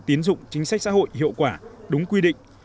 tiến dụng chính sách xã hội hiệu quả đúng quy định